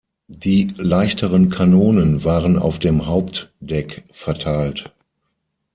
Die leichteren Kanonen waren auf dem Hauptdeck verteilt.